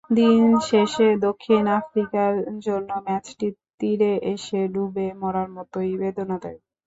দিন শেষে দক্ষিণ আফ্রিকার জন্য ম্যাচটি তীরে এসে ডুবে মরার মতোই বেদনাদায়ক।